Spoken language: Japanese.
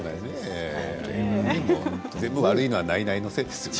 全部悪いのはナイナイのせいですよ。